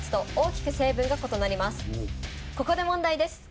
ここで問題です。